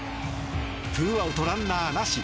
２アウト、ランナーなし。